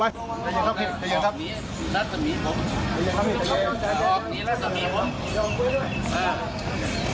แรดสฟีครับ